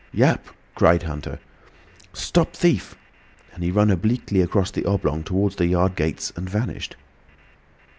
"Yap!" cried Huxter. "Stop thief!" and he ran obliquely across the oblong towards the yard gates, and vanished.